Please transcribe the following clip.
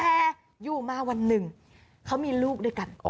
แต่อยู่มาวันหนึ่งเขามีลูกด้วยกัน